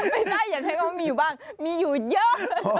ไม่ใช่อย่าใช้คำว่ามีอยู่บ้างมีอยู่เยอะ